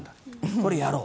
これをやろう。